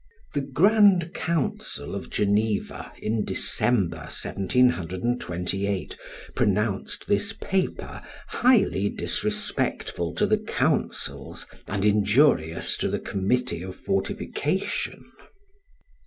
[The grand council of Geneva in December, 1728, pronounced this paper highly disrespectful to the councils, and injurious to the committee of fortification.